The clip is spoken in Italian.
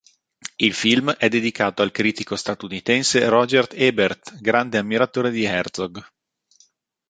Il film è dedicato al critico statunitense Roger Ebert, grande ammiratore di Herzog.